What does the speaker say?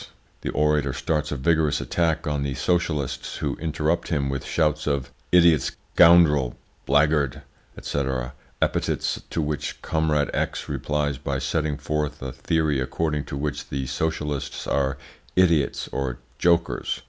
"The orator starts a vigorous attack on the socialists, who interrupt him with shouts of `Idiot, scoundrel, blackguard!' &c., epithets to which Comrade X. replies by setting forth a theory according to which the socialists are `idiots' or `jokers.'"